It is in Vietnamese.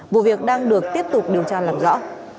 vụ việc đang được tiếp tục điều tra làm rõ